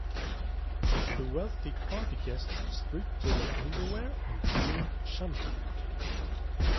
The wealthy party guests strip to their underwear and begin "shunting".